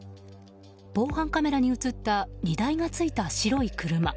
防犯カメラに映った荷台がついた白い車。